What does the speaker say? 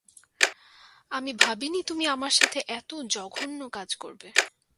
আমি ভাবিনি তুমি আমার সাথে এত জঘন্য কাজ করবে।